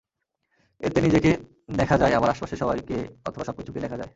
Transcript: এতে নিজেকে দেখা যায়, আবার আশপাশের সবাইকে অথবা সবকিছুকে দেখা যায়।